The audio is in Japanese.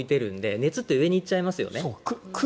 熱って上に行っちゃいますよね。